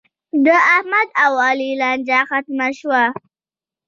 د احمد او علي لانجه ختمه شوه.